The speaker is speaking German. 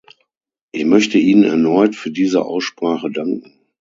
Ich möchte Ihnen erneut für diese Aussprache danken.